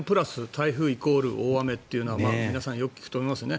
台風イコール大雨というのは皆さんよく聞くと思いますね。